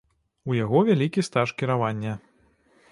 У яго вялікі стаж кіравання.